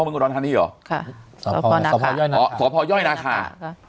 ใช่ค่ะค่ะสพยนาคาอ๋อสพยนาคา